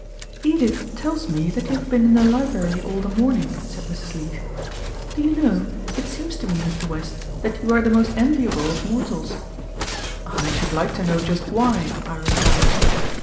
"Edith tells me that you have been in the library all the morning," said Mrs. Leete. "Do you know, it seems to me, Mr. West, that you are the most enviable of mortals." "I should like to know just why," I replied.